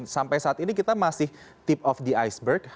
sampai saat ini kita masih tip of the iceberg